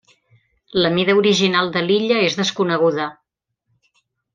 La mida original de l'illa és desconeguda.